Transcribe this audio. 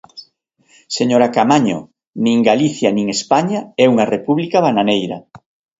Señora Caamaño, nin Galicia nin España é unha república bananeira.